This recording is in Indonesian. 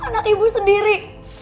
anak ibu sendiri